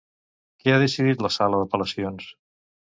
Què ha decidit la sala d'apel·lacions?